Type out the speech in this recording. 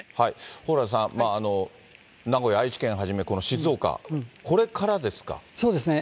蓬莱さん、名古屋、愛知県はじめ、この静岡、これからですかそうですね。